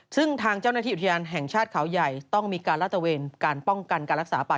ซึ่งทางเจ้าหน้าที่อุทยานแห่งชาติเขาใหญ่ต้องมีการลาดตะเวนการป้องกันการรักษาป่า